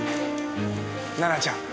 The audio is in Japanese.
奈々ちゃん